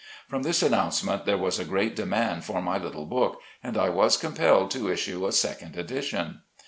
From this announcement there was a great demand for my little book, and I was compelled to issue a second edition.